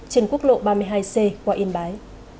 trên quốc lộ ba mươi hai c qua yên bái